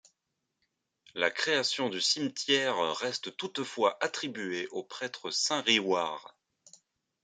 La création du cimetière reste toutefois attribuée au prêtre saint Riware.